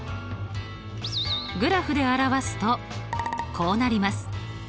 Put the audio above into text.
グラフで表すとこうなります。